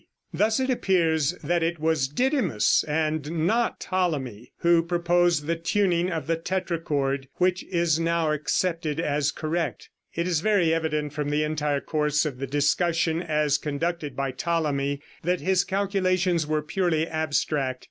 Thus it appears that it was Didymus, and not Ptolemy, who proposed the tuning of the tetrachord which is now accepted as correct. It is very evident from the entire course of the discussion as conducted by Ptolemy that his calculations were purely abstract.